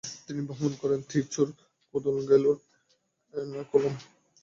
তিনি ভ্রমণ করেন ত্রিচুড়, কোদুনগ্যালোর, এর্নাকুলাম।